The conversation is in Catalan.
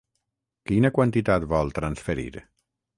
Quina quantitat vol transferir?